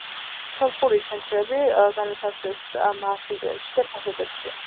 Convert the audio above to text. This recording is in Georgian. სომხური ხაჩქარები განათავსეს მათ ინტერიერში და ფასადებში.